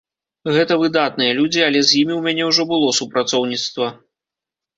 Гэта выдатныя людзі, але з імі ў мяне ўжо было супрацоўніцтва.